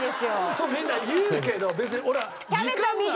そうみんな言うけど別に俺は。